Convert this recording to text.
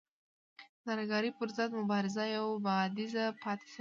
د ترهګرۍ پر ضد مبارزه یو بعدیزه پاتې شوه.